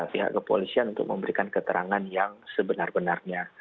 pihak kepolisian untuk memberikan keterangan yang sebenar benarnya